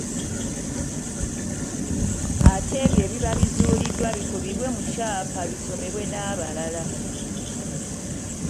Ate ebyo ebiba bizuuliddwa bikubibwe mu kyapa bisomebwe n’abalala.